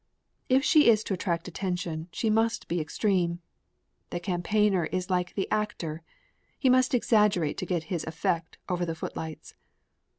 If she is to attract attention, she must be extreme. The campaigner is like the actor he must exaggerate to get his effect over the footlights.